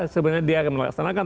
sebenarnya dia akan melaksanakan